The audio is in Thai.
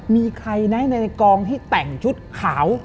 มีใครนะในกองที่แต่งชุดขาว